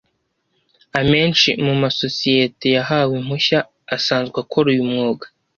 Amenshi mu masosiyete yahawe impushya asanzwe akora uyu mwuga